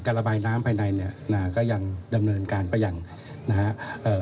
ระบายน้ำภายในเนี่ยนะฮะก็ยังดำเนินการไปอย่างนะฮะเอ่อ